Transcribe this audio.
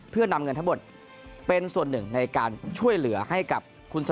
เพื่อนำเงินทั้งหมดเป็นส่วนหนึ่งในการช่วยเหลือให้กับคุณสอ